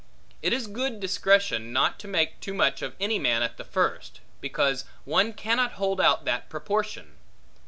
It is good discretion, not to make too much of any man at the first; because one cannot hold out that proportion.